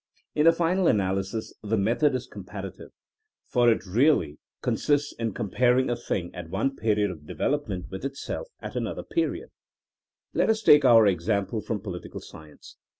In the final analysis the method is* comparative, for it really con 24 THINKINa AS A 8CIEN0E eists in comparing a thing at one period of de velopment with itself at another period. Let ns take onr example from political sci ence.